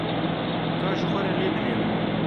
Ka ji xwe re lê binêrin.